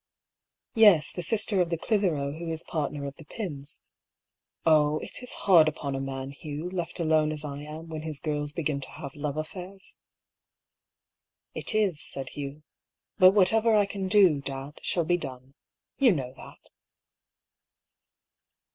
" Yes ; the sister of the Clithero who is partner of the Pyms. Oh! it is hard upon a man, Hugh, left alone as I am, when his girls begin to have love affairs." " It is," said Hugh. " But whatever I can do, dad, shall be done. You know that."